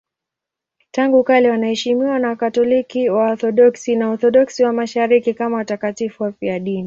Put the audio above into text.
Tangu kale wanaheshimiwa na Wakatoliki, Waorthodoksi na Waorthodoksi wa Mashariki kama watakatifu wafiadini.